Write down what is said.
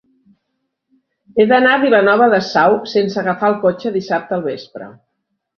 He d'anar a Vilanova de Sau sense agafar el cotxe dissabte al vespre.